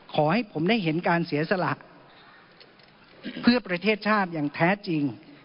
ขอให้ผมได้เห็นการเสียสละเพื่อประเทศชาติอย่างแท้จริง